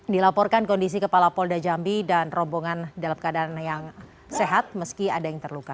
dilaporkan kondisi kepala polda jambi dan rombongan dalam keadaan yang sehat meski ada yang terluka